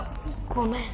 ごめん。